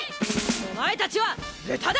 お前たちは豚だ！